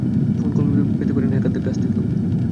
Phone call পেতে পারেন হ্যাকারদের কাছ থেকেও।